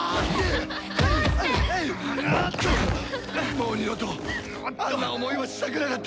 もう二度とあんな思いはしたくなかった！